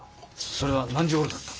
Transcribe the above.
それは何時ごろだった？